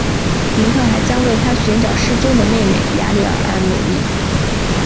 林克还将为寻找他失踪的妹妹雅丽儿而努力。